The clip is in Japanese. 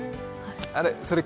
あれ？